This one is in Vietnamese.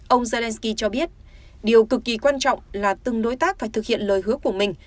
ông zelensky cho biết điều cực kỳ quan trọng là từng đối tác phải thực hiện lời hứa của mình